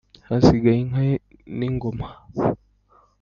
Hasigaye inka n’ingoma.